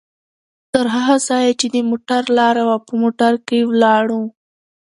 تر هغه ځایه چې د موټر لاره وه، په موټر کې ولاړو؛